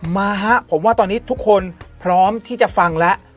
มาฮะผมว่าตอนนี้ทุกคนพร้อมที่จะฟังแล้ว